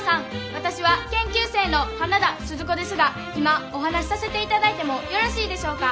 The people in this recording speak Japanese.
私は研究生の花田鈴子ですが今お話しさせていただいてもよろしいでしょうか。